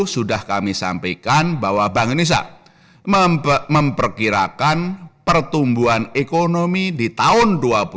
sudah kami sampaikan bahwa bank indonesia memperkirakan pertumbuhan ekonomi di tahun dua ribu dua puluh dua